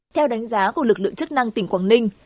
theo đánh giá của lực lượng chức năng tỉnh quảng ninh